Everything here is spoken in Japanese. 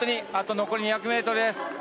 あと残り２００ｍです。